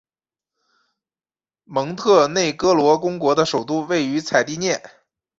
蒙特内哥罗公国的首都位于采蒂涅。